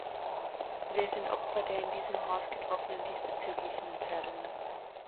Wir sind Opfer der in diesem Hause getroffenen diesbezüglichen Entscheidungen.